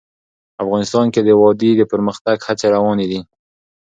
افغانستان کې د وادي د پرمختګ هڅې روانې دي.